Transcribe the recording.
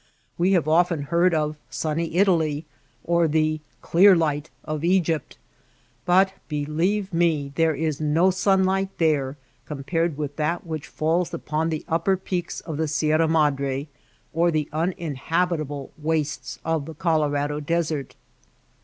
We have often heard of " Sunny Italy'' or the ^^ clear light'' of Egypt, but be lieve me there is no sunlight there compared with that which falls upon the upper peaks of PREFACE DEDICATION IX the Sierra Madre or the uninhabitable wastes of the Colorado Desert.